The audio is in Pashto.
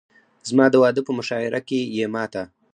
زما د واده په مشاعره کښې يې ما ته